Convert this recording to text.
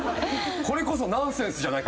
これこそナンセンスじゃないかなと。